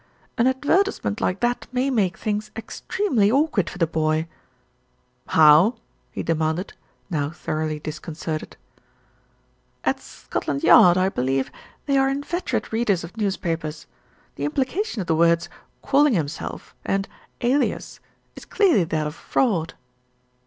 "An advertisement like that may make things ex tremely awkward for the boy." "How?" he demanded, now thoroughly discon certed. "At Scotland Yard, I believe, they are inveterate readers of newspapers. The implication of the words SIR JOHN HILDRETH 277 'calling himself,' and 'alias,' is clearly that of fraud."